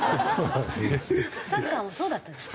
サッカーもそうだったじゃない。